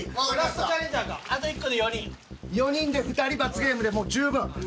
４人で２人罰ゲームでもう十分。